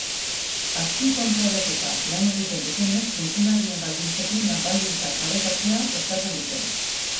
Azpikontratatuta lan egiten dutenek funtzionarien baldintzekin lan baldintzak parekatzea eskatzen dute.